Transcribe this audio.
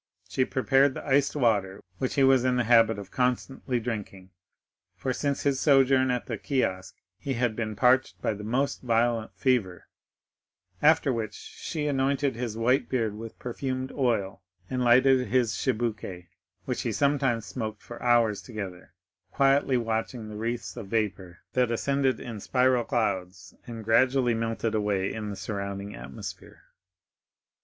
She prepared the iced water which he was in the habit of constantly drinking,—for since his sojourn at the kiosk he had been parched by the most violent fever,—after which she anointed his white beard with perfumed oil, and lighted his chibouque, which he sometimes smoked for hours together, quietly watching the wreaths of vapor that ascended in spiral clouds and gradually melted away in the surrounding atmosphere.